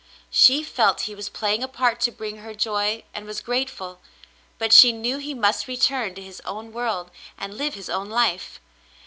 She felt he was playing a part to bring her joy, and was grate ful, but she knew he must return to his own world and live his own life.